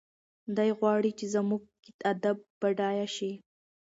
دی غواړي چې زموږ ادب بډایه شي.